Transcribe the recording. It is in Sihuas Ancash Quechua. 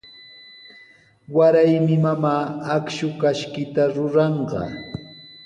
Waraymi mamaa akshu kashkita ruranqa.